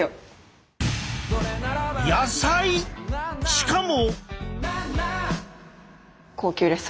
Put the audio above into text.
しかも！